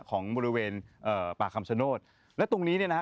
ของบริเวณเอ่อป่าคำชโนธและตรงนี้เนี่ยนะฮะ